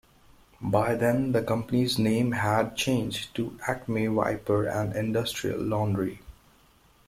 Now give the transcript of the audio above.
By then, the company's name had changed to Acme Wiper and Industrial Laundry.